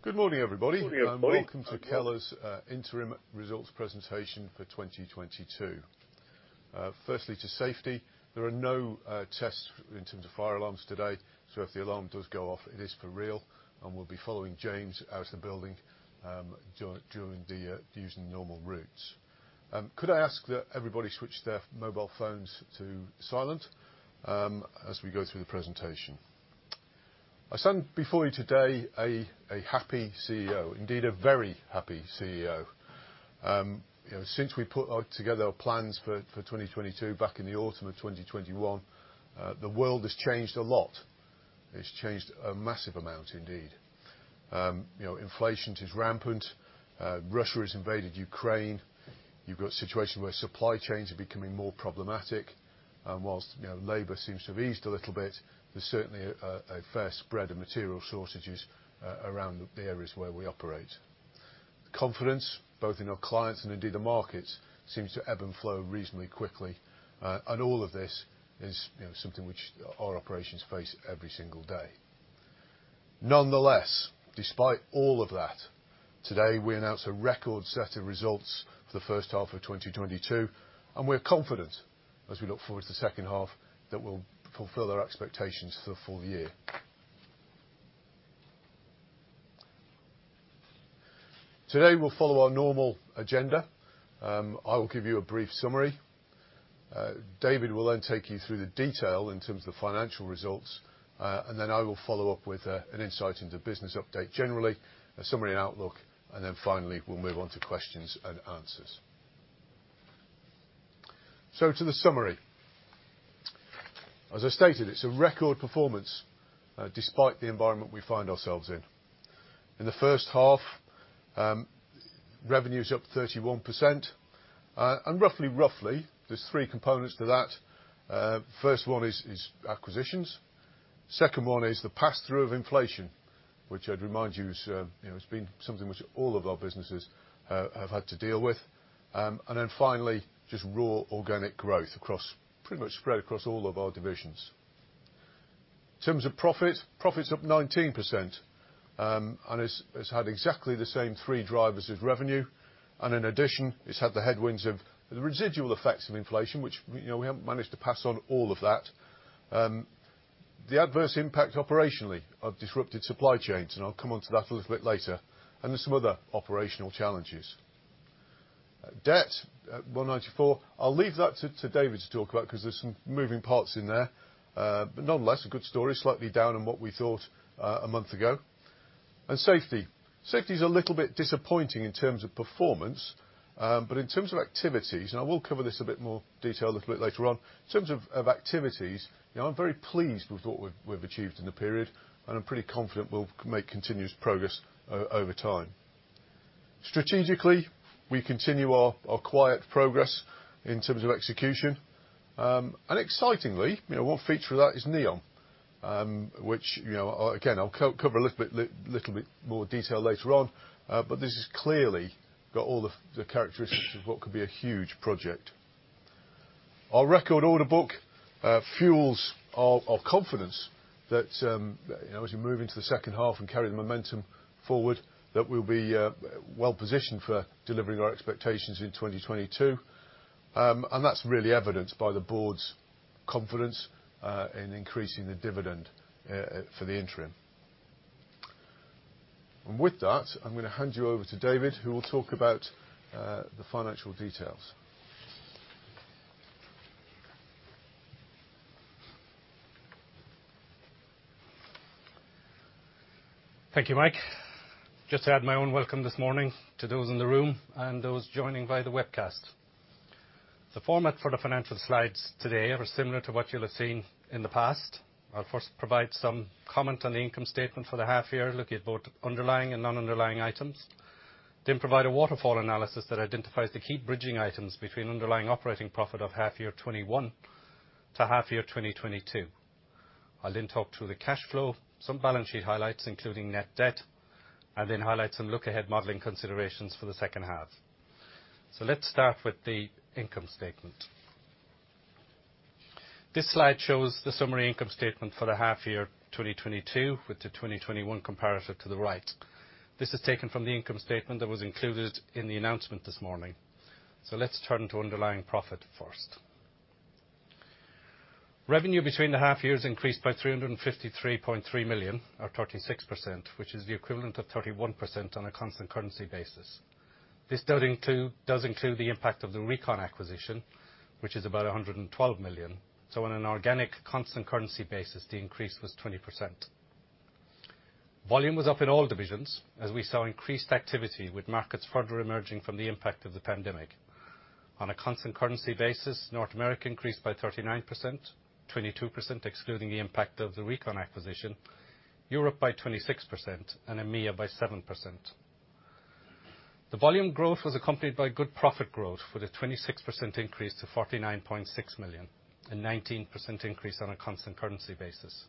Okay. Good morning, everybody. Good morning, everybody. Welcome to Keller's interim results presentation for 2022. Firstly, to safety, there are no tests in terms of fire alarms today, so if the alarm does go off, it is for real, and we'll be following James out of the building, during the using the normal routes. Could I ask that everybody switch their mobile phones to silent as we go through the presentation? I stand before you today a happy CEO, indeed, a very happy CEO. You know, since we put together our plans for 2022 back in the autumn of 2021, the world has changed a lot. It's changed a massive amount indeed. You know, inflation is rampant. Russia has invaded Ukraine. You've got situations where supply chains are becoming more problematic, and while, you know, labor seems to have eased a little bit, there's certainly a fair spread of material shortages around the areas where we operate. Confidence, both in our clients and indeed the markets, seems to ebb and flow reasonably quickly. All of this is, you know, something which our operations face every single day. Nonetheless, despite all of that, today we announce a record set of results for the first half of 2022, and we're confident as we look forward to the second half that we'll fulfill our expectations for the full year. Today, we'll follow our normal agenda. I will give you a brief summary. David will then take you through the detail in terms of financial results, and then I will follow up with an insight into business update generally, a summary and outlook, and then finally we'll move on to questions and answers. To the summary. As I stated, it's a record performance, despite the environment we find ourselves in. In the first half, revenue's up 31%. Roughly, there's three components to that. First one is acquisitions. Second one is the pass-through of inflation, which I'd remind you is, you know, has been something which all of our businesses have had to deal with. And then finally, just raw organic growth across, pretty much spread across all of our divisions. In terms of profits, profit's up 19%, and it's had exactly the same three drivers as revenue, and in addition, it's had the headwinds of the residual effects of inflation, which, you know, we haven't managed to pass on all of that. The adverse impact operationally of disrupted supply chains, and I'll come onto that a little bit later, and there's some other operational challenges. Debt at 194 million. I'll leave that to David to talk about, because there's some moving parts in there. But nonetheless, a good story, slightly down on what we thought a month ago. Safety. Safety is a little bit disappointing in terms of performance. In terms of activities, I will cover this a bit more detail a little bit later on. In terms of activities, you know, I'm very pleased with what we've achieved in the period, and I'm pretty confident we'll make continuous progress over time. Strategically, we continue our quiet progress in terms of execution. Excitingly, you know, one feature of that is NEOM, which, you know, again, I'll cover a little bit more detail later on. This has clearly got all the characteristics of what could be a huge project. Our record order book fuels our confidence that, you know, as we move into the second half and carry the momentum forward, that we'll be well-positioned for delivering our expectations in 2022. That's really evidenced by the board's confidence in increasing the dividend for the interim. With that, I'm gonna hand you over to David, who will talk about the financial details. Thank you, Mike. Just to add my own welcome this morning to those in the room and those joining via the webcast. The format for the financial slides today are similar to what you'll have seen in the past. I'll first provide some comment on the income statement for the half year, looking at both underlying and non-underlying items. Provide a waterfall analysis that identifies the key bridging items between underlying operating profit of half year 2021 to half year 2022. I'll then talk through the cash flow, some balance sheet highlights, including net debt, and then highlight some look-ahead modeling considerations for the second half. Let's start with the income statement. This slide shows the summary income statement for the half year 2022, with the 2021 comparative to the right. This is taken from the income statement that was included in the announcement this morning. Let's turn to underlying profit first. Revenue between the half years increased by 353.3 million, or 36%, which is the equivalent of 31% on a constant currency basis. This does include the impact of the RECON acquisition, which is about 112 million. On an organic constant currency basis, the increase was 20%. Volume was up in all divisions, as we saw increased activity with markets further emerging from the impact of the pandemic. On a constant currency basis, North America increased by 39%, 22% excluding the impact of the RECON acquisition. Europe by 26% and EMEA by 7%. The volume growth was accompanied by good profit growth with a 26% increase to 49.6 million, a 19% increase on a constant currency basis.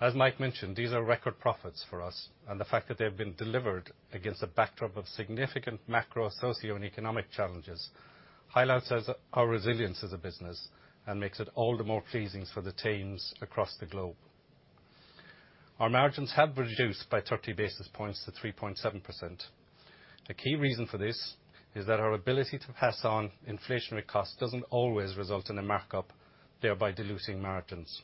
As Mike mentioned, these are record profits for us, and the fact that they've been delivered against a backdrop of significant macro, socio, and economic challenges highlights our resilience as a business and makes it all the more pleasing for the teams across the globe. Our margins have reduced by 30 basis points to 3.7%. The key reason for this is that our ability to pass on inflationary costs doesn't always result in a markup, thereby diluting margins.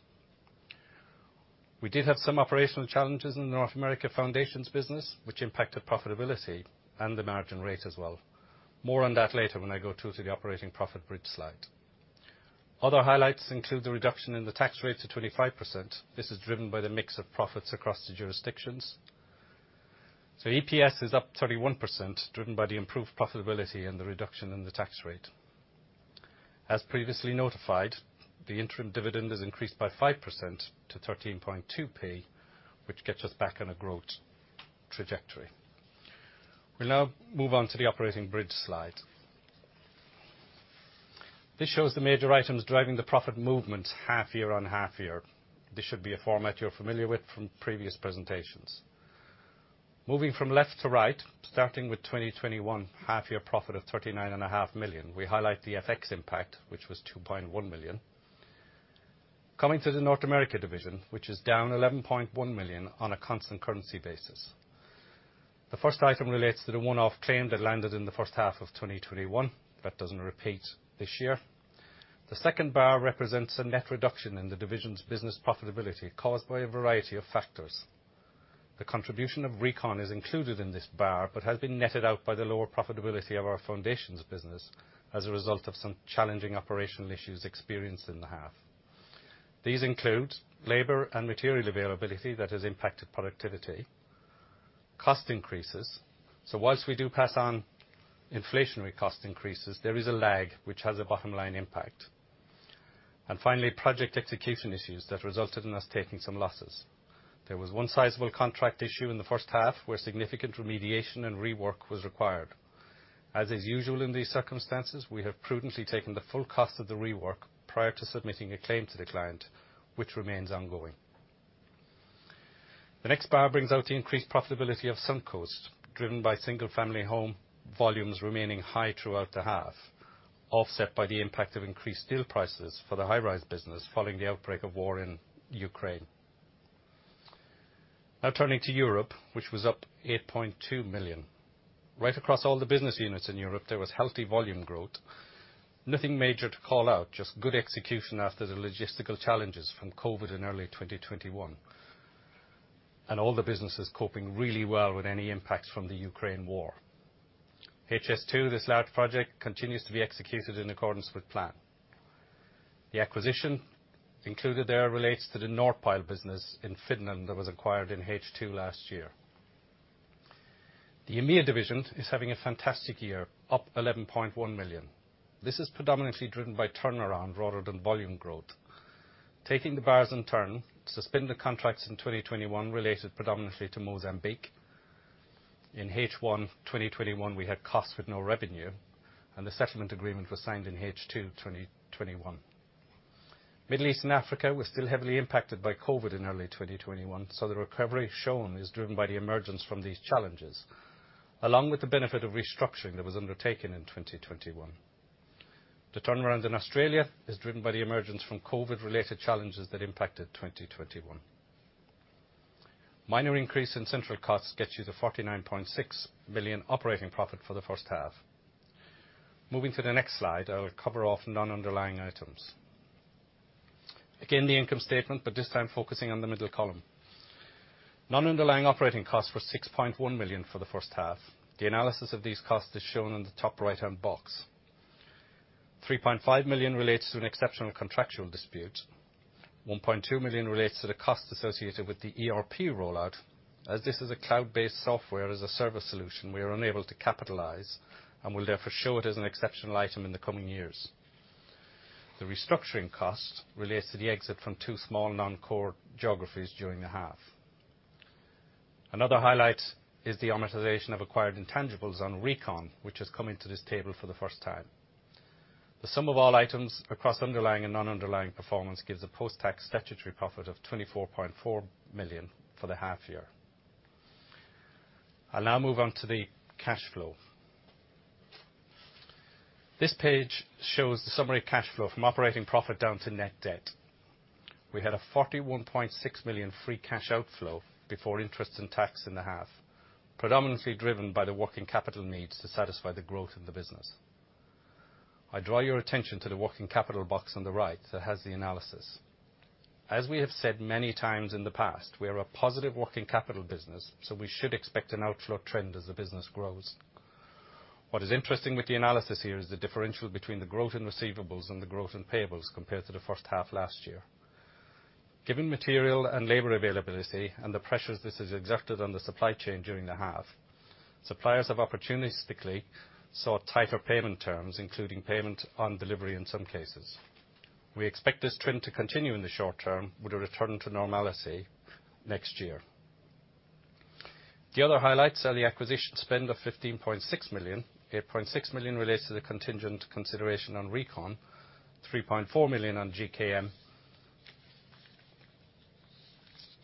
We did have some operational challenges in the North America foundations business, which impacted profitability and the margin rate as well. More on that later when I go through to the operating profit bridge slide. Other highlights include the reduction in the tax rate to 25%. This is driven by the mix of profits across the jurisdictions. EPS is up 31%, driven by the improved profitability and the reduction in the tax rate. As previously notified, the interim dividend is increased by 5% to 0.132, which gets us back on a growth trajectory. We now move on to the operating bridge slide. This shows the major items driving the profit movement half year on half year. This should be a format you're familiar with from previous presentations. Moving from left to right, starting with 2021 half-year profit of 39.5 million, we highlight the FX impact, which was 2.1 million. Coming to the North America division, which is down 11.1 million on a constant currency basis. The first item relates to the one-off claim that landed in the first half of 2021. That doesn't repeat this year. The second bar represents a net reduction in the division's business profitability caused by a variety of factors. The contribution of RECON is included in this bar, but has been netted out by the lower profitability of our foundations business as a result of some challenging operational issues experienced in the half. These include labor and material availability that has impacted productivity, cost increases. While we do pass on inflationary cost increases, there is a lag which has a bottom line impact. Finally, project execution issues that resulted in us taking some losses. There was one sizable contract issue in the first half where significant remediation and rework was required. As is usual in these circumstances, we have prudently taken the full cost of the rework prior to submitting a claim to the client, which remains ongoing. The next bar brings out the increased profitability of Suncoast, driven by single-family home volumes remaining high throughout the half, offset by the impact of increased steel prices for the high rise business following the outbreak of war in Ukraine. Now turning to Europe, which was up 8.2 million. Right across all the business units in Europe, there was healthy volume growth. Nothing major to call out, just good execution after the logistical challenges from COVID in early 2021. All the businesses coping really well with any impacts from the Ukraine war. HS2, this large project, continues to be executed in accordance with plan. The acquisition included there relates to the NordPile business in Finland that was acquired in H2 last year. The AMEA division is having a fantastic year, up 11.1 million. This is predominantly driven by turnaround rather than volume growth. Taking the bars in turn, suspended contracts in 2021 related predominantly to Mozambique. In H1 2021, we had costs with no revenue, and the settlement agreement was signed in H2 2021. Middle East and Africa were still heavily impacted by COVID in early 2021, so the recovery shown is driven by the emergence from these challenges, along with the benefit of restructuring that was undertaken in 2021. The turnaround in Australia is driven by the emergence from COVID-related challenges that impacted 2021. Minor increase in central costs gets you to 49.6 million operating profit for the first half. Moving to the next slide, I will cover off non-underlying items. Again, the income statement, but this time focusing on the middle column. Non-underlying operating costs were 6.1 million for the first half. The analysis of these costs is shown in the top right-hand box. 3.5 million relates to an exceptional contractual dispute. 1.2 million relates to the cost associated with the ERP rollout. As this is a cloud-based software as a service solution, we are unable to capitalize and will therefore show it as an exceptional item in the coming years. The restructuring cost relates to the exit from two small non-core geographies during the half. Another highlight is the amortization of acquired intangibles on RECON, which is coming to this table for the first time. The sum of all items across underlying and non-underlying performance gives a post-tax statutory profit of 24.4 million for the half year. I'll now move on to the cash flow. This page shows the summary of cash flow from operating profit down to net debt. We had a 41.6 million free cash outflow before interest and tax in the half, predominantly driven by the working capital needs to satisfy the growth in the business. I draw your attention to the working capital box on the right that has the analysis. As we have said many times in the past, we are a positive working capital business, so we should expect an outflow trend as the business grows. What is interesting with the analysis here is the differential between the growth in receivables and the growth in payables compared to the first half last year. Given material and labor availability and the pressures this has exerted on the supply chain during the half, suppliers have opportunistically sought tighter payment terms, including payment on delivery in some cases. We expect this trend to continue in the short term with a return to normalcy next year. The other highlights are the acquisition spend of 15.6 million. 8.6 million relates to the contingent consideration on RECON, 3.4 million on GKM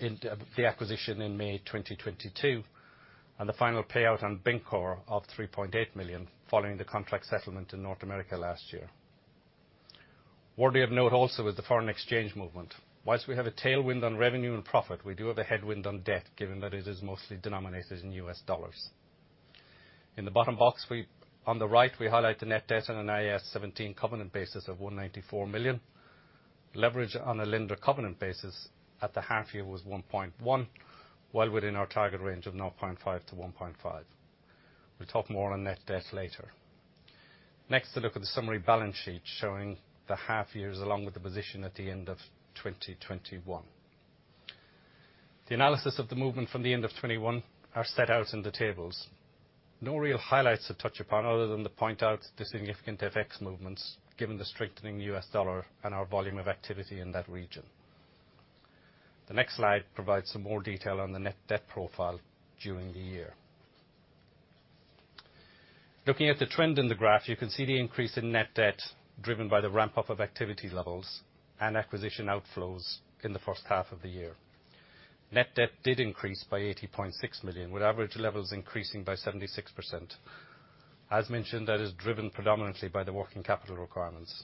in the acquisition in May 2022, and the final payout on Bencor of 3.8 million following the contract settlement in North America last year. Worthy of note also is the foreign exchange movement. While we have a tailwind on revenue and profit, we do have a headwind on debt, given that it is mostly denominated in U.S. dollars. In the bottom box, on the right, we highlight the net debt on an IAS 17 covenant basis of 194 million. Leverage on a lender covenant basis at the half year was 1.1x, well within our target range of 0.5x-1.5x. We'll talk more on net debt later. Next, a look at the summary balance sheet showing the half years along with the position at the end of 2021. The analysis of the movement from the end of 2021 are set out in the tables. No real highlights to touch upon other than to point out the significant FX movements given the strengthening U.S. dollar and our volume of activity in that region. The next slide provides some more detail on the net debt profile during the year. Looking at the trend in the graph, you can see the increase in net debt driven by the ramp up of activity levels and acquisition outflows in the first half of the year. Net debt did increase by 80.6 million, with average levels increasing by 76%. As mentioned, that is driven predominantly by the working capital requirements.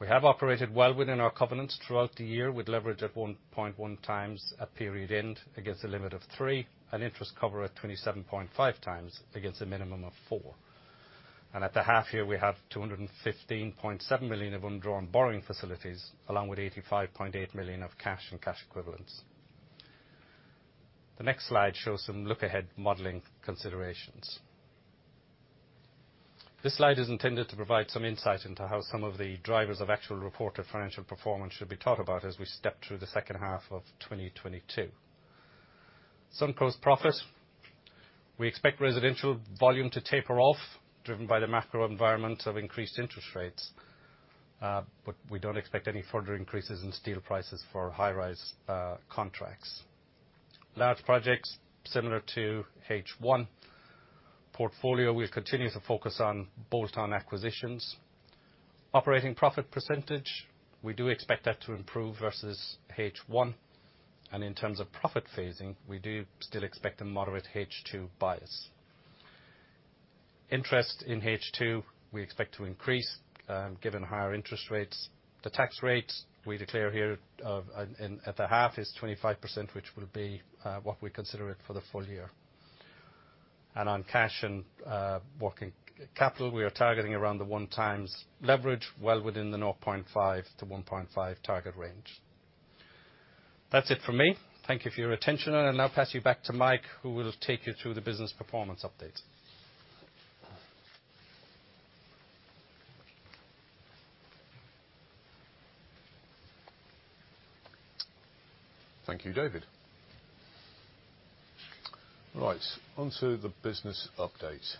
We have operated well within our covenants throughout the year, with leverage at 1.1x at period end against a limit of 3x, and interest cover at 27.5x against a minimum of 4x. At the half year, we have 215.7 million of undrawn borrowing facilities along with 85.8 million of cash and cash equivalents. The next slide shows some look-ahead modeling considerations. This slide is intended to provide some insight into how some of the drivers of actual reported financial performance should be thought about as we step through the second half of 2022. Some closed profits. We expect residential volume to taper off, driven by the macro environment of increased interest rates. But we don't expect any further increases in steel prices for high-rise contracts. Large projects similar to H1. Portfolio, we'll continue to focus on bolt-on acquisitions. Operating profit percentage, we do expect that to improve versus H1. In terms of profit phasing, we do still expect a moderate H2 bias. Interest in H2, we expect to increase, given higher interest rates. The tax rate we declare here of, at the half is 25%, which will be, what we consider it for the full year. On cash and working capital, we are targeting around the 1x leverage, well within the 0.5x-1.5x target range. That's it from me. Thank you for your attention, and I'll now pass you back to Mike, who will take you through the business performance update. Thank you, David. Right, onto the business update.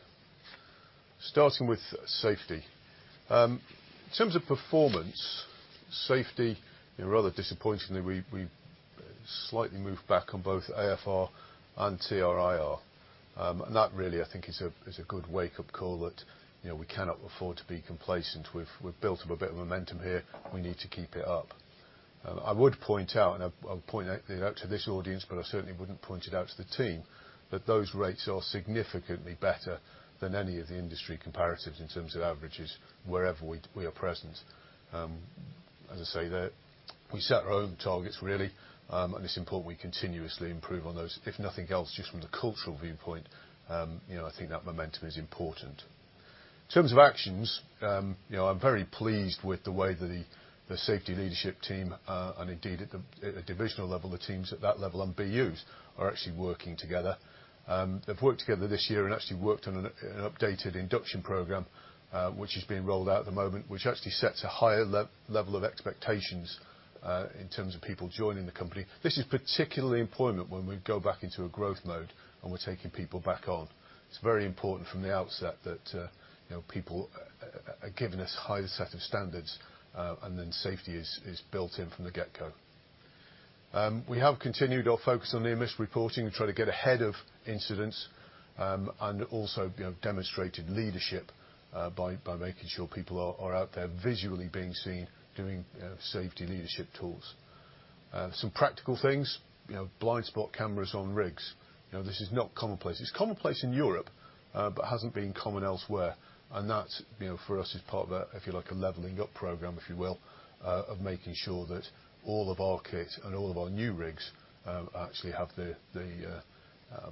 Starting with safety. In terms of performance, safety, you know, rather disappointingly, we slightly moved back on both AFR and TRIR. That really, I think, is a good wake-up call that, you know, we cannot afford to be complacent. We've built up a bit of momentum here. We need to keep it up. I would point out, and I'll point it out to this audience, but I certainly wouldn't point it out to the team, that those rates are significantly better than any of the industry comparatives in terms of averages wherever we are present. As I say, we set our own targets, really. It's important we continuously improve on those. If nothing else, just from the cultural viewpoint, you know, I think that momentum is important. In terms of actions, you know, I'm very pleased with the way the safety leadership team and indeed at the divisional level, the teams at that level and BUs are actually working together. They've worked together this year and actually worked on an updated induction program, which is being rolled out at the moment, which actually sets a higher level of expectations in terms of people joining the company. This is particularly important when we go back into a growth mode and we're taking people back on. It's very important from the outset that, you know, people are given as high a set of standards and then safety is built in from the get go. We have continued our focus on near-miss reporting to try to get ahead of incidents, and also, you know, demonstrated leadership, by making sure people are out there visually being seen doing safety leadership tours. Some practical things, you know, blind spot cameras on rigs. You know, this is not commonplace. It's commonplace in Europe, but hasn't been common elsewhere. That's, you know, for us is part of a, if you like, a leveling up program, if you will, of making sure that all of our kit and all of our new rigs, actually have the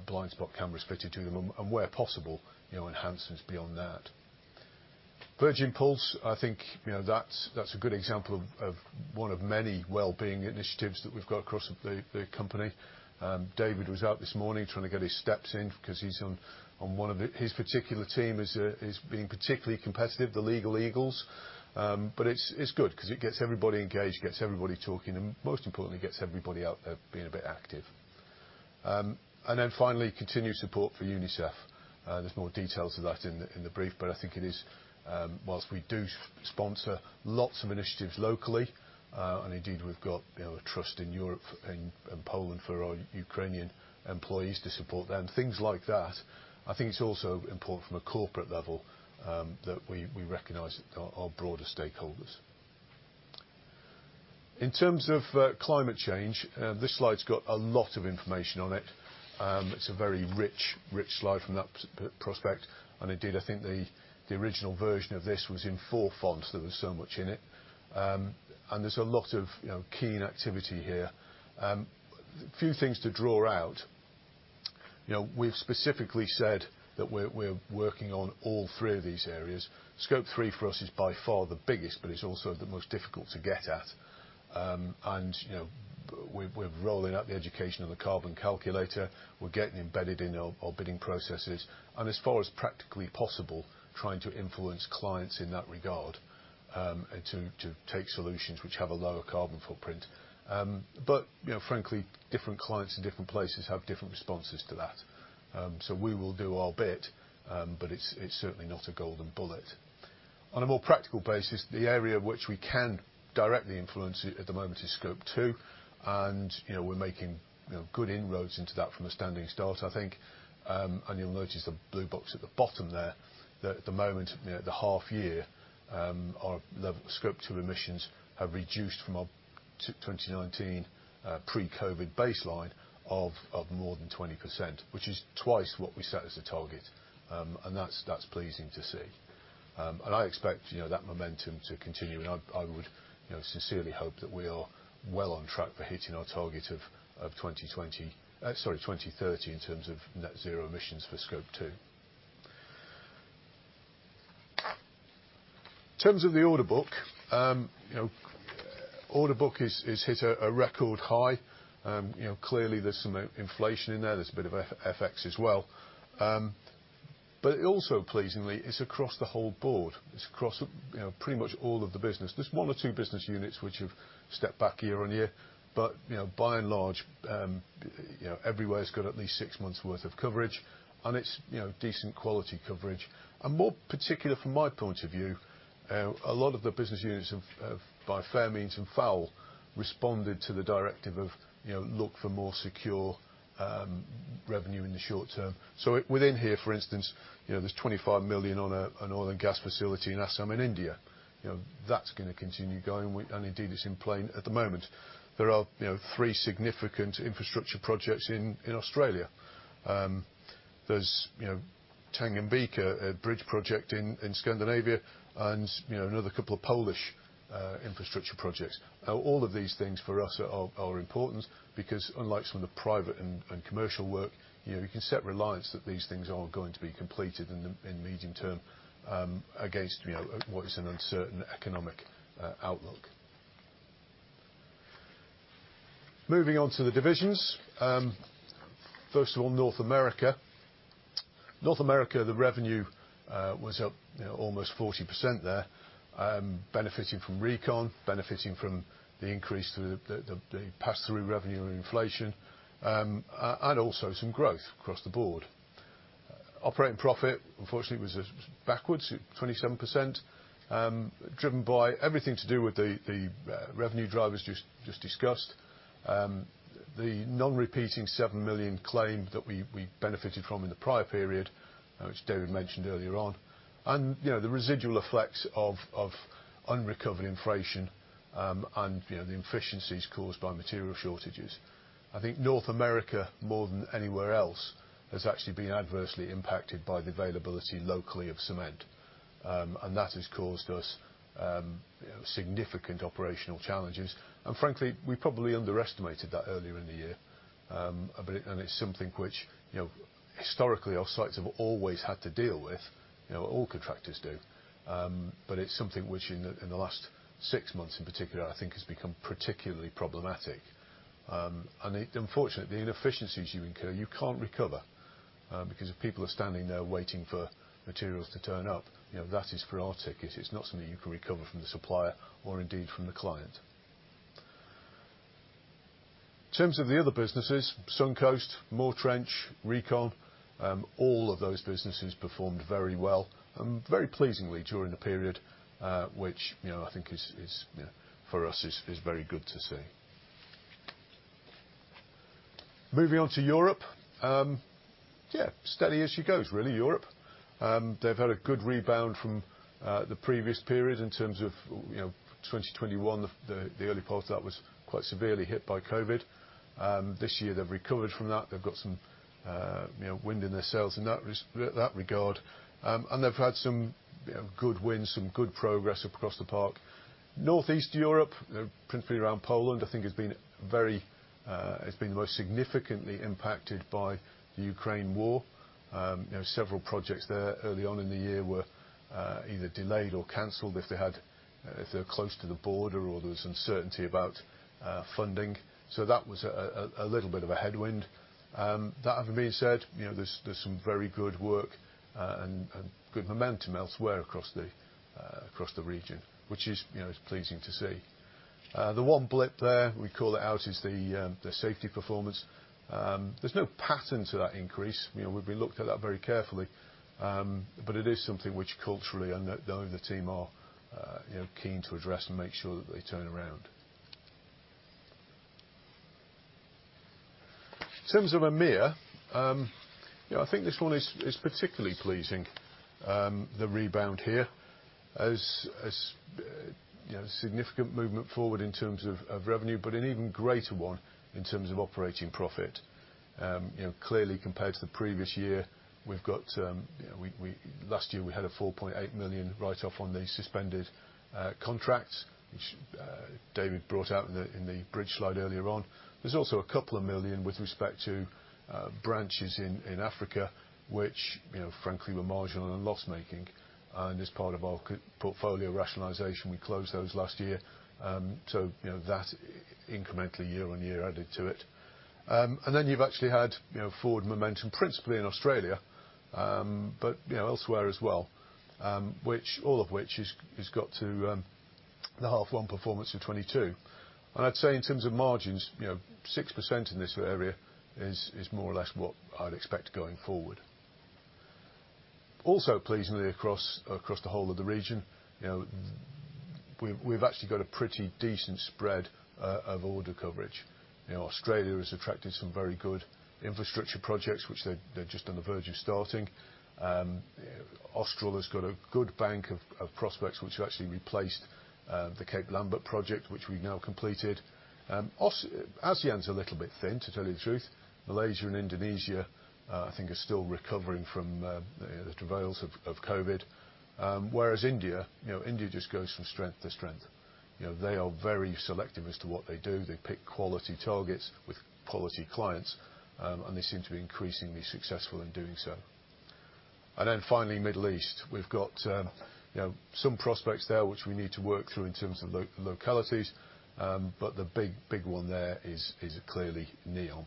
blind spot cameras fitted to them and where possible, you know, enhancements beyond that. Virgin Pulse, I think, you know, that's a good example of one of many wellbeing initiatives that we've got across the company. David was out this morning trying to get his steps in because he's on one of the. His particular team is being particularly competitive, the Legal Eagles. It's good because it gets everybody engaged, it gets everybody talking, and most importantly, it gets everybody out there being a bit active. Continued support for UNICEF. There's more details of that in the brief. I think it is, while we do sponsor lots of initiatives locally, and indeed, we've got, you know, a trust in Europe and Poland for our Ukrainian employees to support them, things like that. I think it's also important from a corporate level that we recognize our broader stakeholders. In terms of climate change, this slide's got a lot of information on it. It's a very rich slide from that prospect. Indeed, I think the original version of this was in four fonts. There was so much in it. There's a lot of, you know, keen activity here. A few things to draw out. You know, we've specifically said that we're working on all three of these areas. Scope 3 for us is by far the biggest, but it's also the most difficult to get at. You know, we're rolling out the education of the carbon calculator. We're getting embedded in our bidding processes. As far as practically possible, trying to influence clients in that regard, to take solutions which have a lower carbon footprint. You know, frankly, different clients in different places have different responses to that. We will do our bit, but it's certainly not a golden bullet. On a more practical basis, the area which we can directly influence at the moment is Scope 2, and you know, we're making you know, good inroads into that from a standing start. I think and you'll notice the blue box at the bottom there, that at the moment, you know, at the half year, our level Scope 2 emissions have reduced from our 2019 pre-COVID baseline of more than 20%, which is twice what we set as a target. And that's pleasing to see. I expect you know, that momentum to continue, and I would you know, sincerely hope that we are well on track for hitting our target of 2020. Sorry, 2030, in terms of net zero emissions for Scope 2. In terms of the order book, you know, order book is hit a record high. You know, clearly there's some inflation in there. There's a bit of FX as well. But also pleasingly, it's across the whole board. It's across, you know, pretty much all of the business. There's one or two business units which have stepped back year-on-year, but, you know, by and large, you know, everywhere has got at least six months worth of coverage, and it's, you know, decent quality coverage. More particular from my point of view, a lot of the business units have, by fair means and foul, responded to the directive of, you know, look for more secure, revenue in the short term. Within here, for instance, you know, there's 25 million on an oil and gas facility in Assam, in India. You know, that's gonna continue going, and indeed, it's in play at the moment. There are, you know, three significant infrastructure projects in Australia. There's, you know, Tangenvika, a bridge project in Scandinavia, and, you know, another couple of Polish infrastructure projects. Now all of these things for us are important because unlike some of the private and commercial work, you know, we can place reliance that these things are going to be completed in the medium term against, you know, what is an uncertain economic outlook. Moving on to the divisions. First of all, North America. North America, the revenue was up, you know, almost 40% there, benefiting from RECON, benefiting from the increase to the pass-through revenue and inflation, and also some growth across the board. Operating profit, unfortunately, was backwards at 27%, driven by everything to do with the revenue drivers just discussed. The non-repeating 7 million claim that we benefited from in the prior period, which David mentioned earlier on. You know, the residual effects of unrecovered inflation, and the inefficiencies caused by material shortages. I think North America, more than anywhere else, has actually been adversely impacted by the availability locally of cement. That has caused us significant operational challenges. Frankly, we probably underestimated that earlier in the year. It's something which, you know, historically our sites have always had to deal with. You know, all contractors do. But it's something which in the last six months in particular, I think has become particularly problematic. And it, unfortunately, the inefficiencies you incur, you can't recover. Because if people are standing there waiting for materials to turn up, you know, that is frantic. It's not something you can recover from the supplier or indeed from the client. In terms of the other businesses, Suncoast, Moretrench, RECON, all of those businesses performed very well and very pleasingly during the period, which, you know, I think is very good to see. Moving on to Europe. Yeah, steady as she goes, really, Europe. They've had a good rebound from the previous period in terms of, you know, 2021, the early part of that was quite severely hit by COVID. This year, they've recovered from that. They've got some, you know, wind in their sails in that regard. They've had some, you know, good wins, some good progress across the park. Northeast Europe, you know, principally around Poland, I think has been most significantly impacted by the Ukraine war. You know, several projects there early on in the year were either delayed or canceled if they were close to the border or there was uncertainty about funding. That was a little bit of a headwind. That having been said, you know, there's some very good work and good momentum elsewhere across the region, which is pleasing to see. The one blip there we call it out is the safety performance. There's no pattern to that increase. You know, we've looked at that very carefully. But it is something which culturally the team are keen to address and make sure that they turn around. In terms of AMEA, you know, I think this one is particularly pleasing, the rebound here as you know, significant movement forward in terms of revenue, but an even greater one in terms of operating profit. You know, clearly, compared to the previous year, we've got. Last year, we had a 4.8 million write-off on the suspended contracts, which David brought out in the bridge slide earlier on. There's also a couple of million with respect to branches in Africa, which, you know, frankly, were marginal and loss-making. As part of our portfolio rationalization, we closed those last year. So, you know, that incrementally year-on-year added to it. Then you've actually had forward momentum, principally in Australia, but, you know, elsewhere as well, which all of which has got to the half one performance of 2022. I'd say in terms of margins, you know, 6% in this area is more or less what I'd expect going forward. Also pleasingly across the whole of the region, you know, we've actually got a pretty decent spread of order coverage. You know, Australia has attracted some very good infrastructure projects which they're just on the verge of starting. Austral has got a good bank of prospects which actually replaced the Cape Lambert project, which we've now completed. ASEAN's a little bit thin, to tell you the truth. Malaysia and Indonesia, I think are still recovering from the travails of COVID. Whereas India, you know, India just goes from strength to strength. You know, they are very selective as to what they do. They pick quality targets with quality clients, and they seem to be increasingly successful in doing so. Finally, Middle East. We've got, you know, some prospects there which we need to work through in terms of localities. The big one there is clearly NEOM.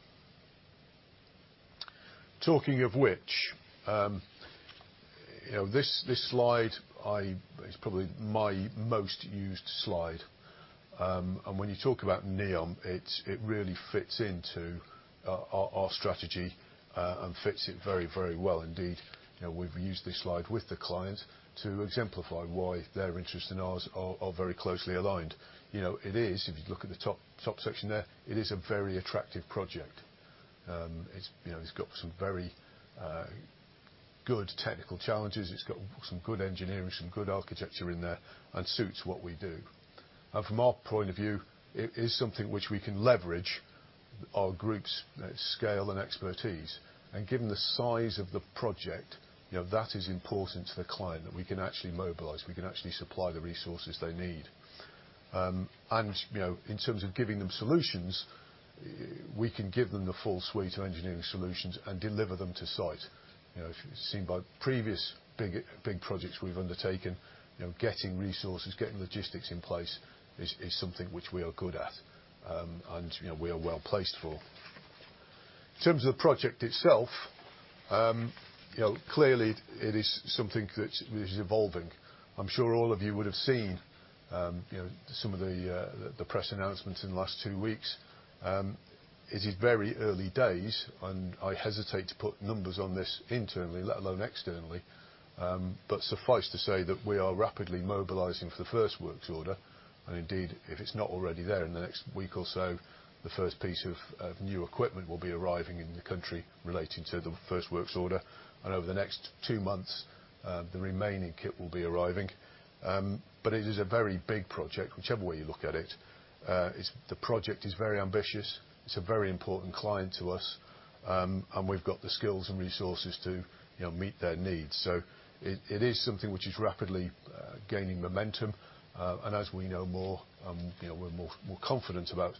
Talking of which, this slide, it's probably my most used slide. When you talk about NEOM, it really fits into our strategy and fits it very well indeed. We've used this slide with the client to exemplify why their interests and ours are very closely aligned. It is, if you look at the top section there, it is a very attractive project. It's got some very good technical challenges. It's got some good engineering, some good architecture in there, and suits what we do. From our point of view, it is something which we can leverage our group's scale and expertise. Given the size of the project, you know, that is important to the client that we can actually mobilize, we can actually supply the resources they need. You know, in terms of giving them solutions, we can give them the full suite of engineering solutions and deliver them to site. You know, as you've seen by previous big projects we've undertaken, you know, getting resources, getting logistics in place is something which we are good at, and, you know, we are well placed for. In terms of the project itself, you know, clearly it is something that is evolving. I'm sure all of you would have seen, you know, some of the press announcements in the last two weeks. It is very early days, and I hesitate to put numbers on this internally, let alone externally. But suffice to say that we are rapidly mobilizing for the first works order, and indeed, if it's not already there in the next week or so, the first piece of new equipment will be arriving in the country relating to the first works order. Over the next two months, the remaining kit will be arriving. It is a very big project, whichever way you look at it. The project is very ambitious. It's a very important client to us. We've got the skills and resources to, you know, meet their needs. It is something which is rapidly gaining momentum. As we know more and, you know, we're more confident about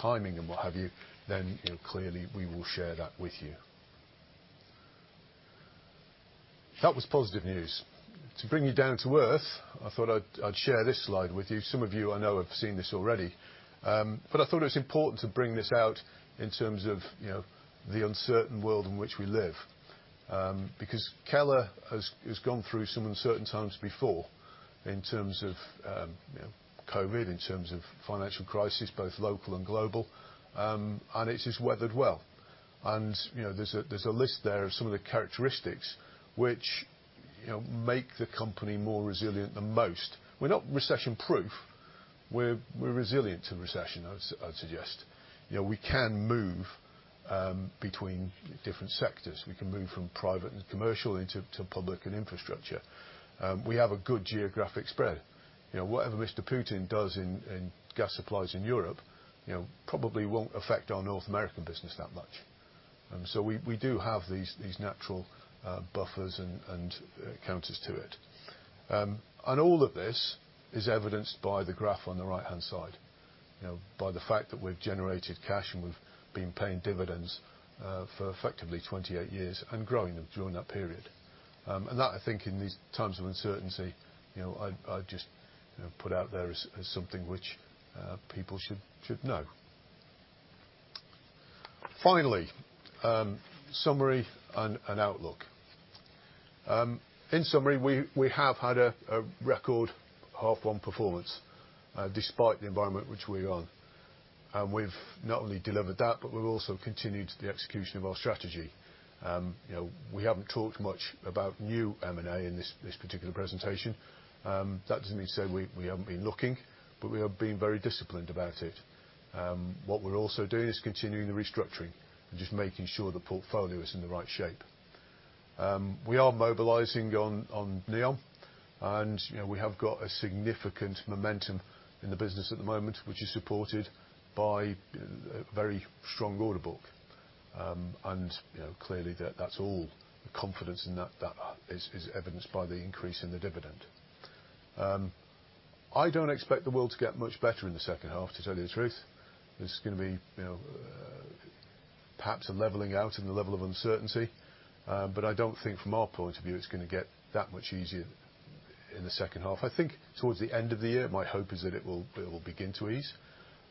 timing and what have you, then, you know, clearly we will share that with you. That was positive news. To bring you down to earth, I thought I'd share this slide with you. Some of you I know have seen this already. I thought it was important to bring this out in terms of, you know, the uncertain world in which we live. Because Keller has gone through some uncertain times before in terms of, you know, COVID, in terms of financial crisis, both local and global. It's just weathered well. You know, there's a list there of some of the characteristics which, you know, make the company more resilient than most. We're not recession-proof. We're resilient to recession, I'd suggest. You know, we can move between different sectors. We can move from private and commercial to public and infrastructure. We have a good geographic spread. You know, whatever Mr. Putin does in gas supplies in Europe, you know, probably won't affect our North American business that much. So we do have these natural buffers and counters to it. And all of this is evidenced by the graph on the right-hand side. You know, by the fact that we've generated cash and we've been paying dividends for effectively 28 years and growing them during that period. And that, I think, in these times of uncertainty, you know, I'd just put out there as something which people should know. Finally, summary and outlook. In summary, we have had a record half one performance, despite the environment which we're in. We've not only delivered that, but we've also continued the execution of our strategy. You know, we haven't talked much about new M&A in this particular presentation. That doesn't mean to say we haven't been looking, but we are being very disciplined about it. What we're also doing is continuing the restructuring and just making sure the portfolio is in the right shape. We are mobilizing on NEOM, and you know, we have got a significant momentum in the business at the moment, which is supported by very strong order book. You know, clearly that's all the confidence in that is evidenced by the increase in the dividend. I don't expect the world to get much better in the second half, to tell you the truth. There's gonna be, you know, perhaps a leveling out in the level of uncertainty, but I don't think from our point of view, it's gonna get that much easier in the second half. I think towards the end of the year, my hope is that it will begin to ease.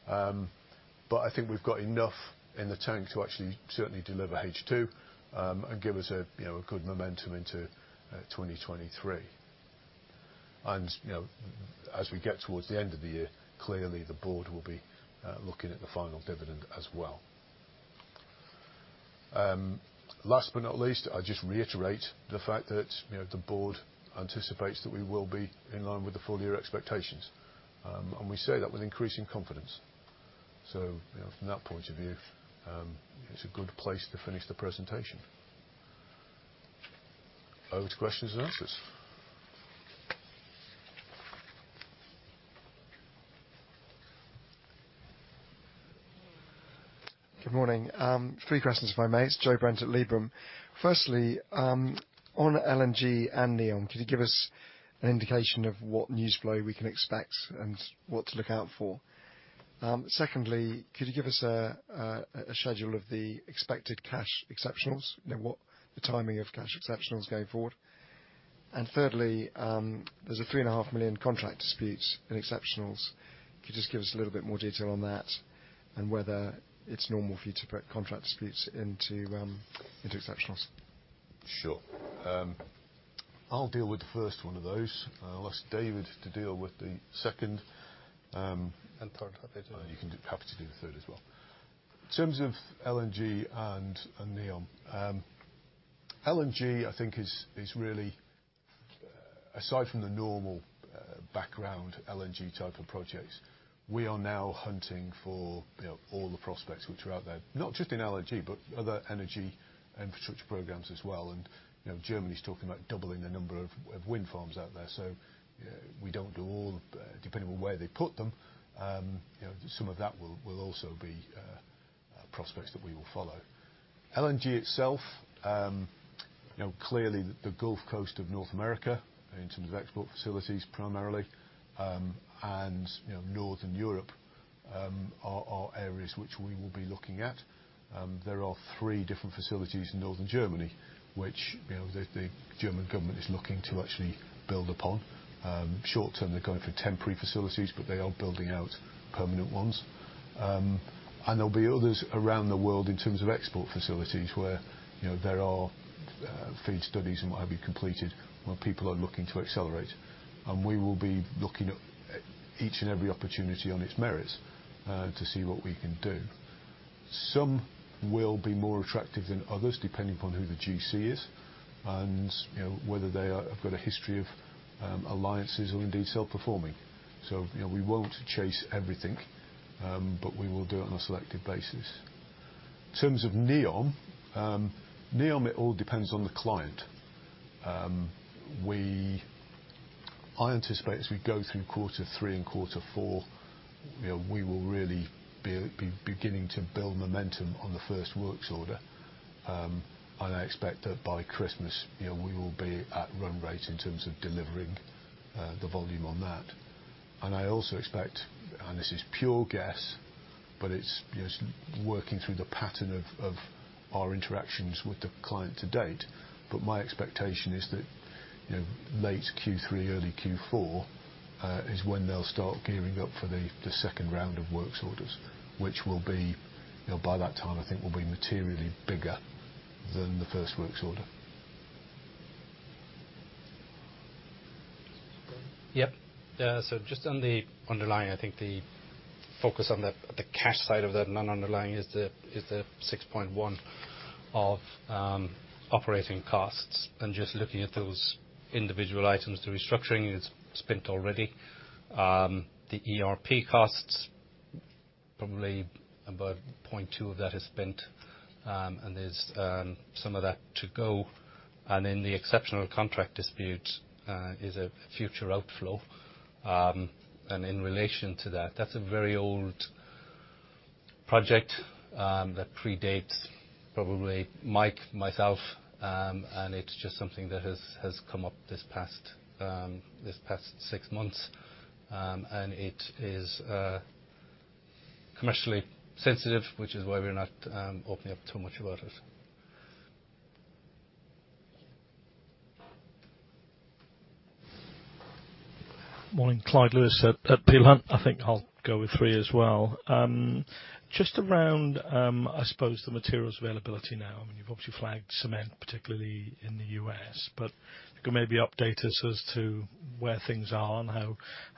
But I think we've got enough in the tank to actually certainly deliver H2, and give us a good momentum into 2023. You know, as we get towards the end of the year, clearly the board will be looking at the final dividend as well. Last but not least, I just reiterate the fact that, you know, the board anticipates that we will be in line with the full year expectations. We say that with increasing confidence. You know, from that point of view, it's a good place to finish the presentation. Over to questions and answers. Good morning. Three questions if I may. It's Joe Brent at Liberum. Firstly, on LNG and NEOM, could you give us an indication of what news flow we can expect and what to look out for? Secondly, could you give us a schedule of the expected cash exceptionals? You know, what the timing of cash exceptionals going forward. Thirdly, there's a 3.5 million contract disputes in exceptionals. Could you just give us a little bit more detail on that and whether it's normal for you to put contract disputes into exceptionals? Sure. I'll deal with the first one of those. I'll ask David to deal with the second. And third, happy to. You can do, happy to do the third as well. In terms of LNG and NEOM. LNG, I think is really, aside from the normal, background LNG type of projects, we are now hunting for, you know, all the prospects which are out there, not just in LNG, but other energy infrastructure programs as well. You know, Germany's talking about doubling the number of wind farms out there. You know, we don't do all, depending on where they put them, you know, some of that will also be prospects that we will follow. LNG itself, you know, clearly the Gulf Coast of North America in terms of export facilities primarily, and, you know, Northern Europe are areas which we will be looking at. There are three different facilities in Northern Germany, which, you know, the German government is looking to actually build upon. Short term, they're going for temporary facilities, but they are building out permanent ones. There'll be others around the world in terms of export facilities where, you know, there are FEED studies and what have you completed where people are looking to accelerate. We will be looking at each and every opportunity on its merits to see what we can do. Some will be more attractive than others, depending upon who the GC is and, you know, whether they have got a history of alliances or indeed self-performing. You know, we won't chase everything, but we will do it on a selective basis. In terms of NEOM. NEOM, it all depends on the client. I anticipate as we go through quarter three and quarter four, you know, we will really be beginning to build momentum on the first works order. I expect that by Christmas, you know, we will be at run rate in terms of delivering the volume on that. I also expect, and this is pure guess, but it's, you know, it's working through the pattern of our interactions with the client to date. My expectation is that, you know, late Q3, early Q4 is when they'll start gearing up for the second round of works orders, which will be, you know, by that time, I think will be materially bigger than the first works order. Yep. Just on the underlying, I think the focus on that, the cash side of that non-underlying is the 6.1 million of operating costs. Just looking at those individual items, the restructuring is spent already. The ERP costs probably about 0.2 million of that is spent, and there's some of that to go. In the exceptional contract dispute is a future outflow. In relation to that's a very old project that predates probably Mike, myself. It's just something that has come up this past six months. It is commercially sensitive, which is why we're not opening up too much about it. Morning, Clyde Lewis at Peel Hunt. I think I'll go with three as well. Just around, I suppose the materials availability now. I mean, you've obviously flagged cement, particularly in the U.S. If you could maybe update us as to where things are and how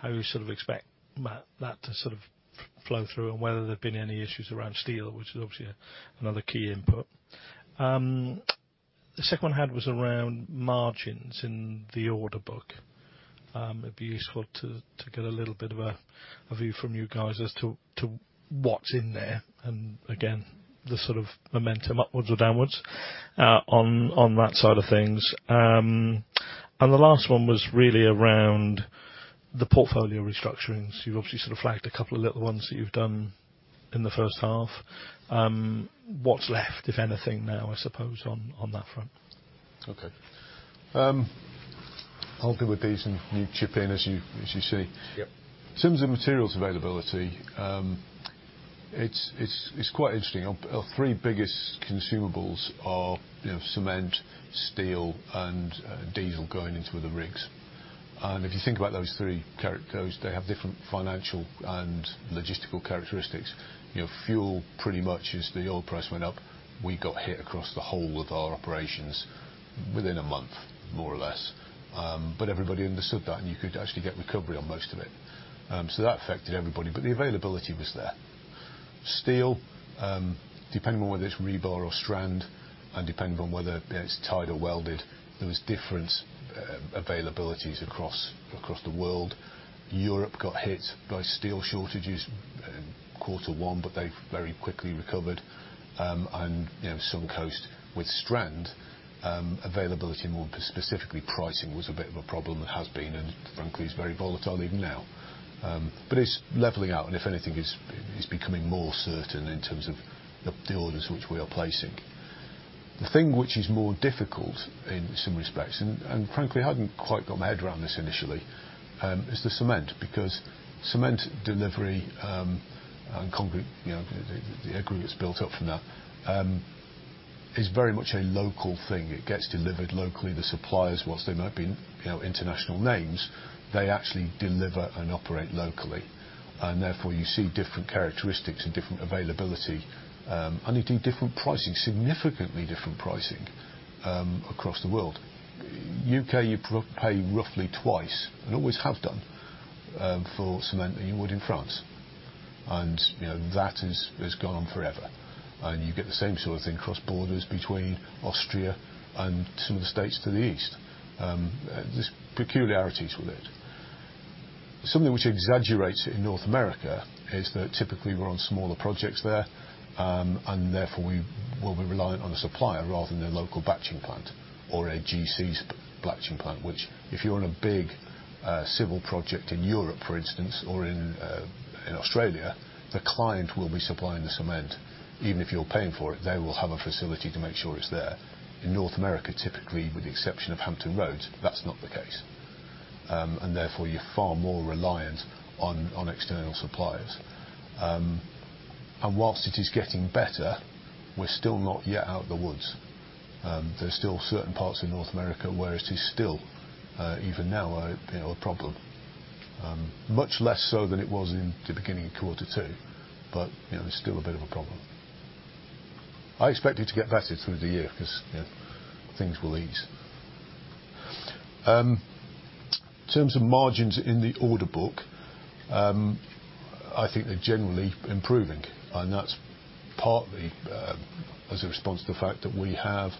you sort of expect that to sort of flow through, and whether there have been any issues around steel, which is obviously another key input. The second one I had was around margins in the order book. It'd be useful to get a little bit of a view from you guys as to what's in there, and again, the sort of momentum upwards or downwards, on that side of things. The last one was really around the portfolio restructurings. You've obviously sort of flagged a couple of little ones that you've done in the first half. What's left, if anything now, I suppose, on that front? Okay. I'll deal with these, and you chip in as you see. Yep. In terms of materials availability, it's quite interesting. Our three biggest consumables are, you know, cement, steel, and diesel going into the rigs. If you think about those three, they have different financial and logistical characteristics. You know, fuel pretty much as the oil price went up, we got hit across the whole of our operations within a month, more or less. Everybody understood that, and you could actually get recovery on most of it. That affected everybody, but the availability was there. Steel, depending on whether it's rebar or strand, and depending on whether it's tied or welded, there was different availabilities across the world. Europe got hit by steel shortages in quarter one, but they've very quickly recovered. You know, Suncoast with strand availability, more specifically pricing, was a bit of a problem. It has been and frankly is very volatile even now. It's leveling out and if anything is becoming more certain in terms of the orders which we are placing. The thing which is more difficult in some respects, frankly I hadn't quite got my head around this initially, is the cement. Because cement delivery and concrete, you know, the aggregate that's built up from that, is very much a local thing. It gets delivered locally. The suppliers, while they might be, you know, international names, they actually deliver and operate locally. Therefore you see different characteristics and different availability and indeed different pricing, significantly different pricing, across the world. U.K., you pay roughly twice, and always have done, for cement than you would in France. You know, that has gone on forever. You get the same sort of thing across borders between Austria and some of the states to the east. There's peculiarities with it. Something which exaggerates it in North America is that typically we're on smaller projects there, and therefore we'll be reliant on the supplier rather than a local batching plant or a GC's batching plant. Which if you're on a big civil project in Europe, for instance, or in Australia, the client will be supplying the cement. Even if you're paying for it, they will have a facility to make sure it's there. In North America, typically with the exception of Hampton Roads, that's not the case. Therefore, you're far more reliant on external suppliers. While it is getting better, we're still not yet out of the woods. There's still certain parts of North America where it is still even now you know, a problem. Much less so than it was in the beginning of quarter two, but you know, there's still a bit of a problem. I expect it to get better through the year 'cause you know, things will ease. In terms of margins in the order book, I think they're generally improving. That's partly as a response to the fact that we have,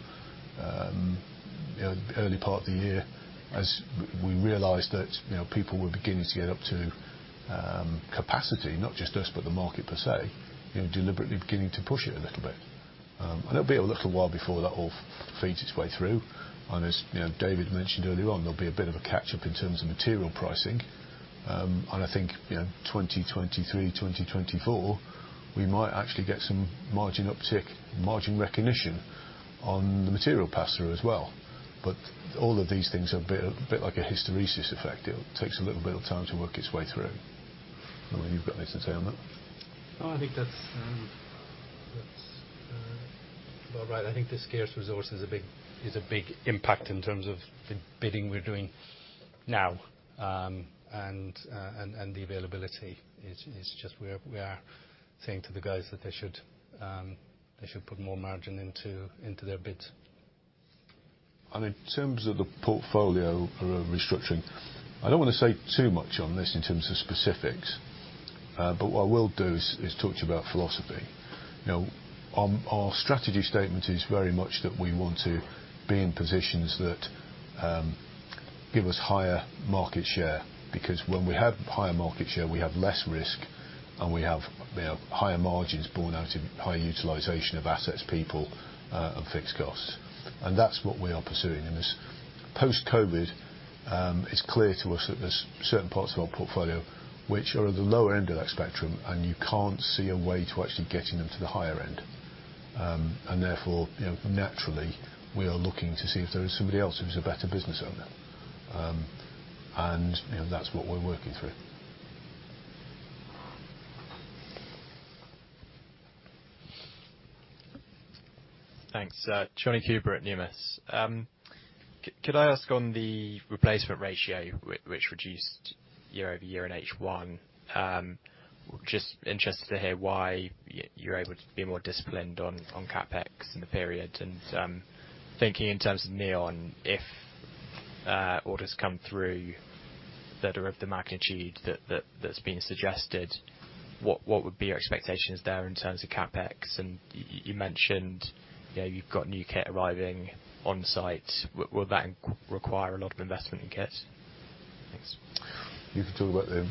you know, early part of the year as we realized that, you know, people were beginning to get up to capacity, not just us, but the market per se, you know, deliberately beginning to push it a little bit. It'll be a little while before that all feeds its way through. As you know, David mentioned earlier on, there'll be a bit of a catch-up in terms of material pricing. I think, you know, 2023, 2024, we might actually get some margin uptick, margin recognition on the material pass-through as well. But all of these things are a bit like a hysteresis effect. It takes a little bit of time to work its way through. I don't know whether you've got anything to say on that. No, I think that's about right. I think the scarce resource is a big impact in terms of the bidding we're doing now. The availability is just where we are saying to the guys that they should put more margin into their bids. In terms of the portfolio restructuring, I don't wanna say too much on this in terms of specifics. What I will do is talk to you about philosophy. You know, our strategy statement is very much that we want to be in positions that give us higher market share. Because when we have higher market share, we have less risk, and we have, you know, higher margins borne out in higher utilization of assets, people, and fixed costs. That's what we are pursuing. As post-COVID, it's clear to us that there's certain parts of our portfolio which are at the lower end of that spectrum, and you can't see a way to actually getting them to the higher end. Therefore, you know, naturally, we are looking to see if there is somebody else who's a better business owner. You know, that's what we're working through. Thanks. [Jonny Cooper] at Numis. Could I ask on the replacement ratio which reduced year-over-year in H1? Just interested to hear why you're able to be more disciplined on CapEx in the period. Thinking in terms of NEOM, if orders come through that are of the magnitude that's been suggested, what would be your expectations there in terms of CapEx? You mentioned, you know, you've got new kit arriving on site. Will that require a lot of investment in kit? Thanks. You can talk about the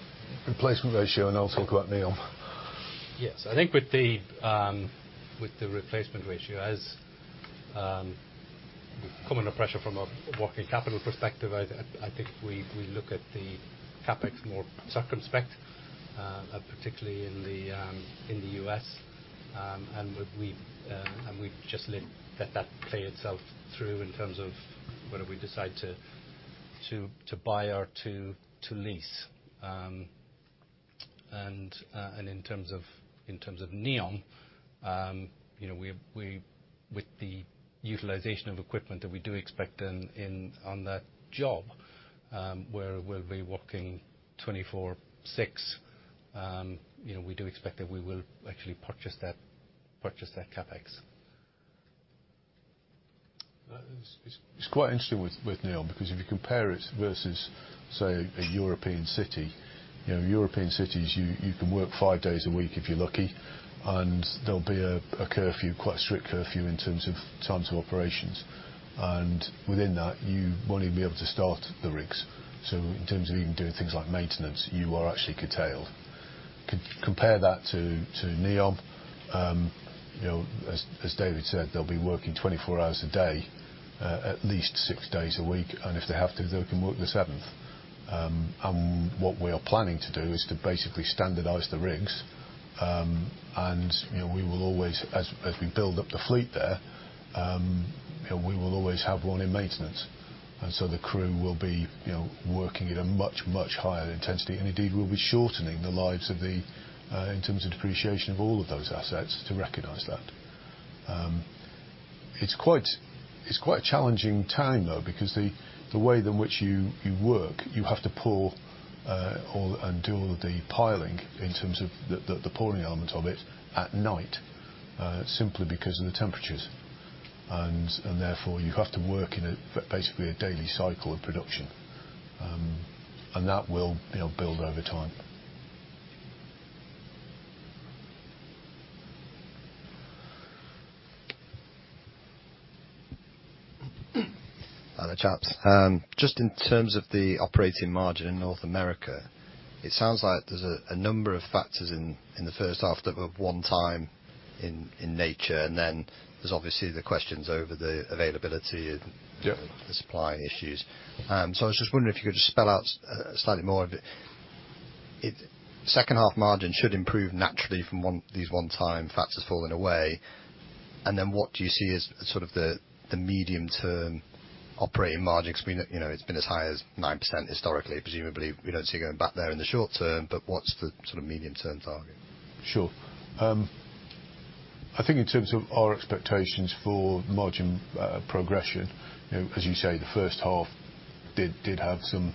replacement ratio, and I'll talk about NEOM. Yes. I think with the replacement ratio, as coming under pressure from a working capital perspective, I think we look at the CapEx more circumspect, particularly in the U.S. We just let that play itself through in terms of whether we decide to buy or to lease. In terms of NEOM, you know, we with the utilization of equipment that we do expect on that job, we'll be working 24/6. You know, we do expect that we will actually purchase that CapEx. It's quite interesting with NEOM because if you compare it versus, say, a European city, you know, European cities, you can work five days a week if you're lucky, and there'll be a curfew, quite strict curfew in terms of times of operations. Within that, you won't even be able to start the rigs. In terms of even doing things like maintenance, you are actually curtailed. Compare that to NEOM, you know, as David said, they'll be working 24 hours a day, at least six days a week, and if they have to, they can work the seventh. What we are planning to do is to basically standardize the rigs. You know, we will always, as we build up the fleet there, you know, we will always have one in maintenance. The crew will be, you know, working at a much, much higher intensity. Indeed, we'll be shortening the lives of the in terms of depreciation of all of those assets to recognize that. It's quite a challenging time, though, because the way in which you work, you have to pour all and do all of the piling in terms of the pouring element of it at night simply because of the temperatures. Therefore, you have to work in a basically a daily cycle of production. That will, you know, build over time. Hi there, chaps. Just in terms of the operating margin in North America, it sounds like there's a number of factors in the first half that were one-time in nature, and then there's obviously the questions over the availability and. Yeah. The supply issues. I was just wondering if you could just spell out slightly more of it. Second half margin should improve naturally from one, these one-time factors falling away. Then what do you see as sort of the medium-term operating margin? Because, you know, it's been as high as 9% historically. Presumably you don't see it going back there in the short term, but what's the sort of medium-term target? Sure. I think in terms of our expectations for margin progression, you know, as you say, the first half did have some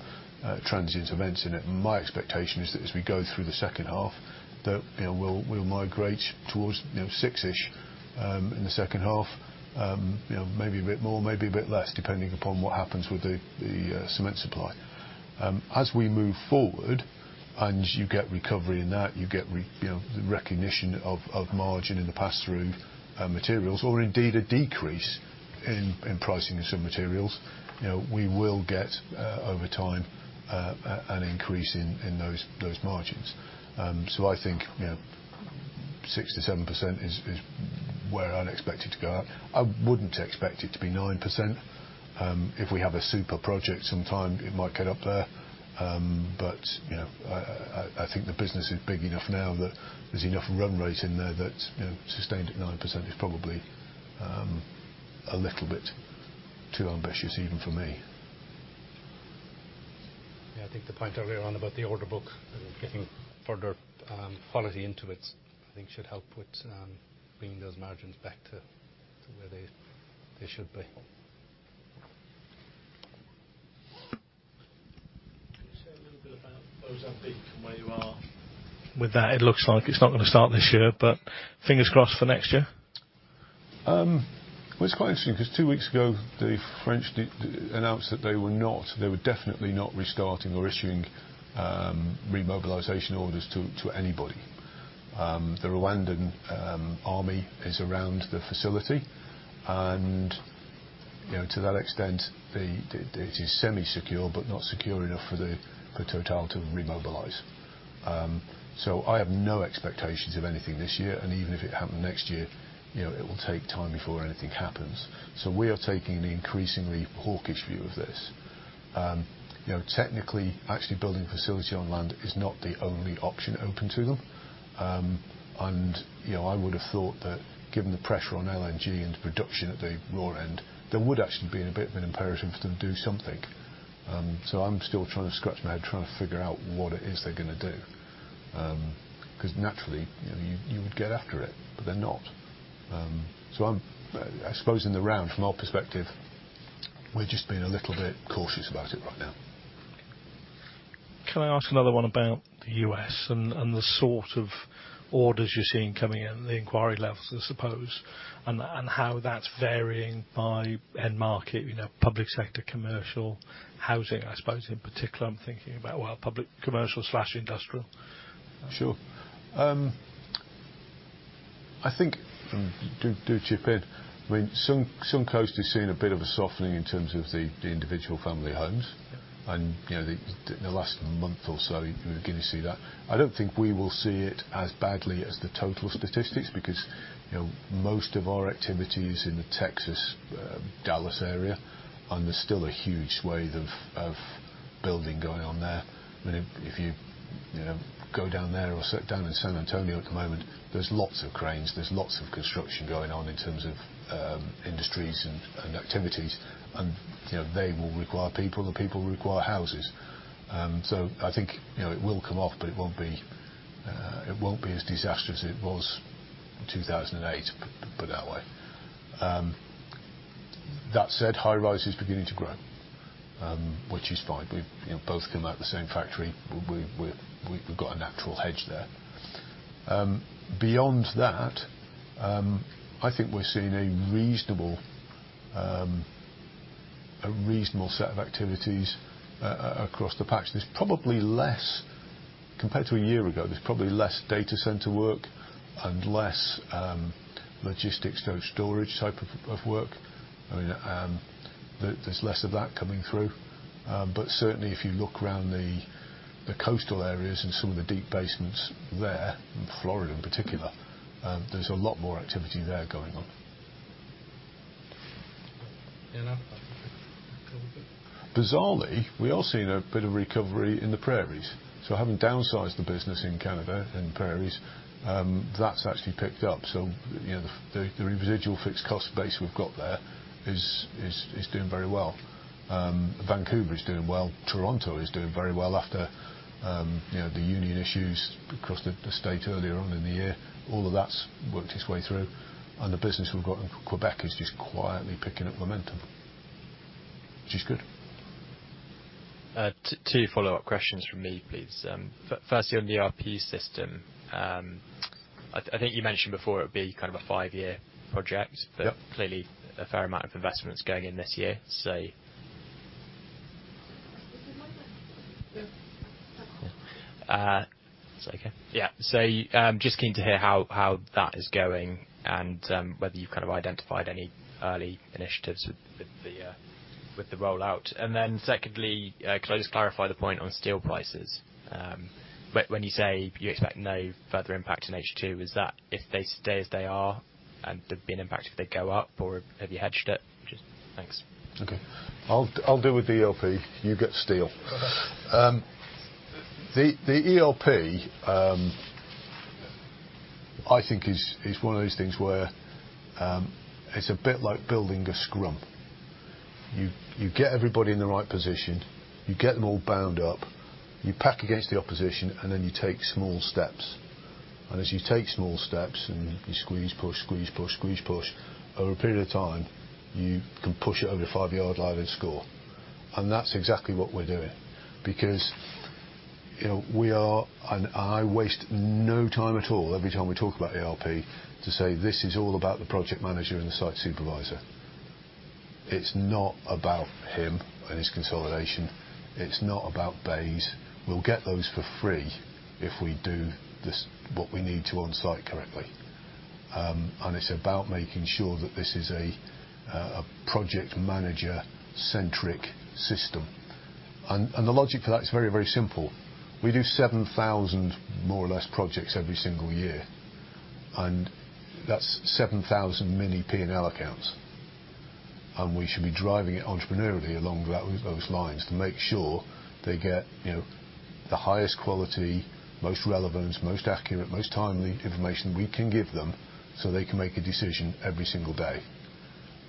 transient events in it. My expectation is that as we go through the second half that, you know, we'll migrate towards, you know, 6%-ish in the second half. You know, maybe a bit more, maybe a bit less, depending upon what happens with the cement supply. As we move forward, and you get recovery in that, you get, you know, the recognition of margin in the pass-through materials or indeed a decrease in pricing of some materials. You know, we will get over time an increase in those margins. I think, you know, 6%-7% is where I'd expect it to go up. I wouldn't expect it to be 9%. If we have a super project sometime, it might get up there. You know, I think the business is big enough now that there's enough run rate in there that, you know, sustained at 9% is probably a little bit too ambitious even for me. Yeah, I think the point earlier on about the order book and getting further quality into it. I think should help with bringing those margins back to where they should be. Can you say a little bit about Mozambique and where you are with that? It looks like it's not gonna start this year, but fingers crossed for next year. Well, it's quite interesting because two weeks ago, the French announced that they were definitely not restarting or issuing remobilization orders to anybody. The Rwandan army is around the facility and, you know, to that extent, it is semi-secure but not secure enough for the Total to remobilize. I have no expectations of anything this year, and even if it happened next year, you know, it will take time before anything happens. We are taking the increasingly hawkish view of this. You know, technically, actually building a facility on land is not the only option open to them. You know, I would have thought that given the pressure on LNG and the production at the raw end, there would actually be a bit of an imperative for them to do something. I'm still trying to scratch my head, trying to figure out what it is they're gonna do. 'Cause naturally, you know, you would get after it, but they're not. I suppose in the round, from our perspective, we're just being a little bit cautious about it right now. Can I ask another one about the U.S. and the sort of orders you're seeing coming in, the inquiry levels I suppose, and how that's varying by end market, you know, public sector, commercial, housing I suppose in particular I'm thinking about. Well, public, commercial, industrial. Sure. I think. Do chip in. I mean, Suncoast is seeing a bit of a softening in terms of the individual family homes. Yeah. You know, the last month or so, we're gonna see that. I don't think we will see it as badly as the total statistics because, you know, most of our activity is in the Texas, Dallas area, and there's still a huge swathe of building going on there. I mean, if you know, go down there or sit down in San Antonio at the moment, there's lots of cranes, there's lots of construction going on in terms of industries and activities. You know, they will require people, and people require houses. I think, you know, it will come off, but it won't be as disastrous as it was in 2008, put that way. That said, high-rise is beginning to grow, which is fine. We, you know, both come out the same factory. We've got a natural hedge there. Beyond that, I think we're seeing a reasonable set of activities across the patch. There's probably less compared to a year ago. There's probably less data center work and less logistics, you know, storage type of work. I mean, there's less of that coming through. Certainly if you look around the coastal areas and some of the deep basements there, in Florida in particular, there's a lot more activity there going on. You know, I think a little bit. Bizarrely, we are seeing a bit of recovery in the prairies. Having downsized the business in Canada, in prairies, that's actually picked up. You know, the residual fixed cost base we've got there is doing very well. Vancouver is doing well. Toronto is doing very well after, you know, the union issues across the state earlier on in the year. All of that's worked its way through. The business we've got in Quebec is just quietly picking up momentum, which is good. Two follow-up questions from me, please. Firstly on the ERP system, I think you mentioned before it would be kind of a five-year project. Yep. Clearly a fair amount of investment is going in this year. Just keen to hear how that is going and whether you've kind of identified any early initiatives with the rollout. Then secondly, can I just clarify the point on steel prices? When you say you expect no further impact in H2, is that if they stay as they are and there'd be an impact if they go up, or have you hedged it? Okay. I'll deal with the ERP. You get steel. The ERP I think is one of those things where it's a bit like building a scrum. You get everybody in the right position, you get them all bound up, you pack against the opposition, and then you take small steps. As you take small steps and you squeeze, push, squeeze, push, squeeze, push, over a period of time, you can push it over the five-yard line and score. That's exactly what we're doing because you know we are. I waste no time at all every time we talk about ERP to say, "This is all about the project manager and the site supervisor." It's not about him and his consolidation. It's not about bays. We'll get those for free if we do this, what we need to on-site correctly. It's about making sure that this is a project manager-centric system. The logic for that is very, very simple. We do 7,000, more or less, projects every single year, and that's 7,000 mini P&L accounts. We should be driving it entrepreneurially along those lines to make sure they get, you know, the highest quality, most relevant, most accurate, most timely information we can give them, so they can make a decision every single day.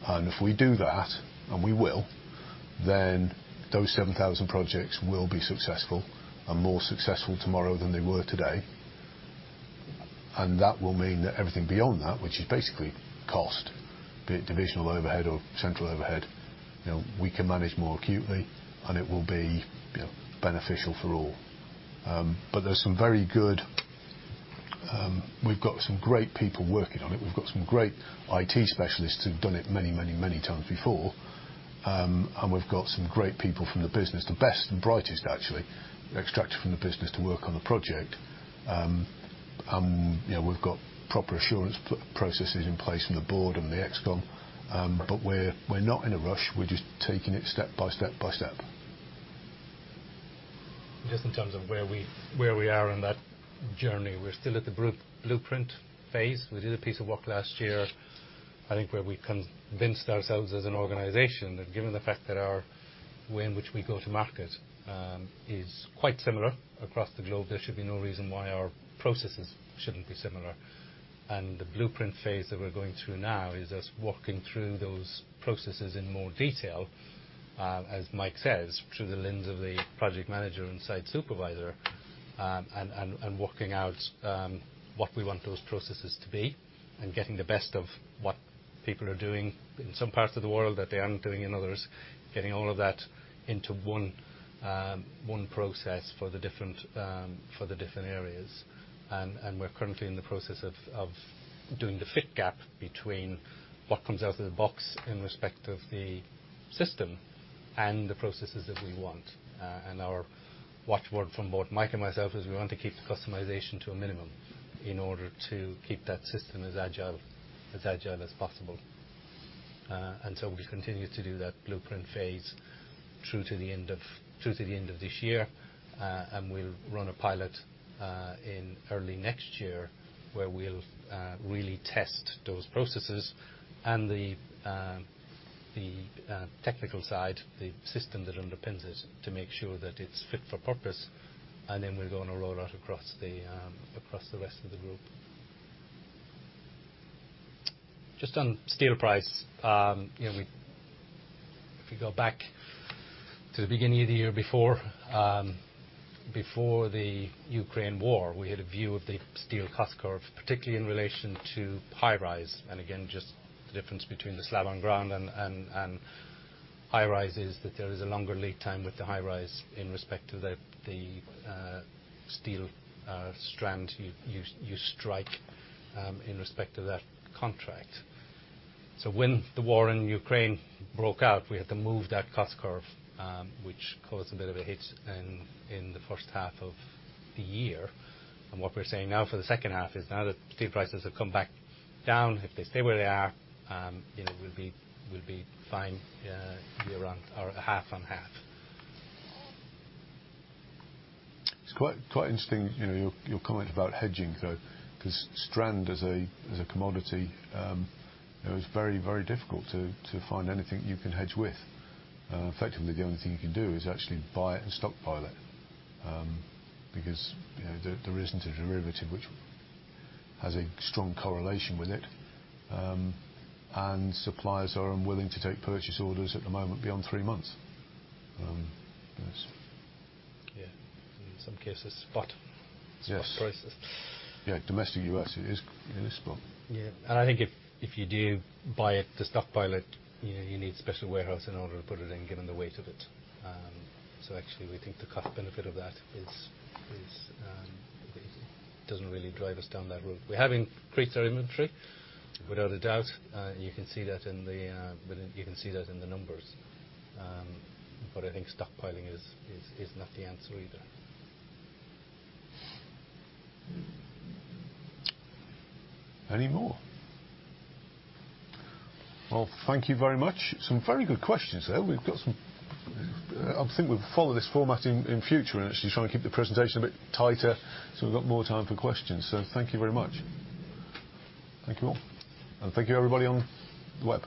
If we do that, and we will, then those 7,000 projects will be successful and more successful tomorrow than they were today. That will mean that everything beyond that, which is basically cost, be it divisional overhead or central overhead, you know, we can manage more acutely, and it will be, you know, beneficial for all. But there's some very good. We've got some great people working on it. We've got some great IT specialists who've done it many times before. We've got some great people from the business, the best and brightest actually, extracted from the business to work on the project. You know, we've got proper assurance processes in place from the board and the ExCom. We're not in a rush. We're just taking it step by step. Just in terms of where we are on that journey, we're still at the blueprint phase. We did a piece of work last year, I think, where we convinced ourselves as an organization that given the fact that our way in which we go to market is quite similar across the globe, there should be no reason why our processes shouldn't be similar. The blueprint phase that we're going through now is us walking through those processes in more detail, as Mike says, through the lens of the project manager and site supervisor, and working out what we want those processes to be and getting the best of what people are doing in some parts of the world that they aren't doing in others, getting all of that into one process for the different areas. We're currently in the process of doing the fit gap between what comes out of the box in respect of the system and the processes that we want. Our watch word from both Mike and myself is we want to keep the customization to a minimum in order to keep that system as agile as possible. We continue to do that blueprint phase through to the end of this year, and we'll run a pilot in early next year where we'll really test those processes and the technical side, the system that underpins it to make sure that it's fit for purpose. Then we're gonna roll out across the rest of the group. Just on steel price, if we go back to the beginning of the year before the Ukraine war, we had a view of the steel cost curve, particularly in relation to high rise. Again, just the difference between the slab on ground and high rise is that there is a longer lead time with the high rise in respect to the steel strand you strike in respect to that contract. When the war in Ukraine broke out, we had to move that cost curve, which caused a bit of a hit in the first half of the year. What we're saying now for the second half is now that steel prices have come back down, if they stay where they are, you know, we'll be year-on-year or half on half. It's quite interesting, you know, your comment about hedging, though, 'cause strand as a commodity, it was very difficult to find anything you can hedge with. Effectively, the only thing you can do is actually buy it and stockpile it, because, you know, there isn't a derivative which has a strong correlation with it. Suppliers are unwilling to take purchase orders at the moment beyond three months. Yes. Yeah. In some cases, spot. Yes. Spot prices. Yeah. Domestic U.S., it is spot. I think if you do buy it to stockpile it, you know, you need special warehouse in order to put it in, given the weight of it. Actually we think the cost benefit of that doesn't really drive us down that route. We have increased our inventory without a doubt. You can see that in the numbers. I think stockpiling is not the answer either. Any more? Well, thank you very much. Some very good questions there. I think we'll follow this format in future, and actually try and keep the presentation a bit tighter so we've got more time for questions. So thank you very much. Thank you all. Thank you everybody on the web.